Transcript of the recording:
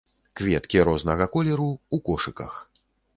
Кветкі рознага колеру, у кошыках.